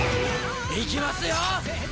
いきますよ！